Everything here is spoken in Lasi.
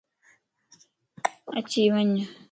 اڇي وڃ